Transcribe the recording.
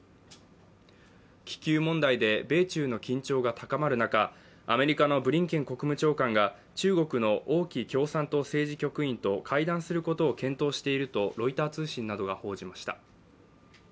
気球問題で米中の緊張が高まる中アメリカのブリンケン国務長官が中国の王毅共産党政治局員と会談することを検討しているとロイター通信などが報じました。